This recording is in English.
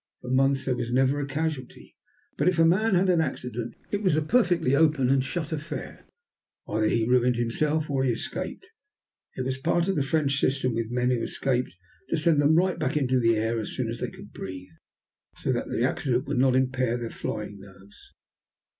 For months there was never a casualty. But if a man had an accident it was a perfectly open and shut affair. Either he ruined himself or he escaped. It was part of the French system with men who escaped to send them right back into the air, as soon as they could breathe, so that the accident would not impair their flying nerves.